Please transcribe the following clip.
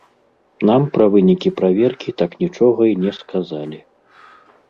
Нам пра вынікі праверкі так нічога і не сказалі.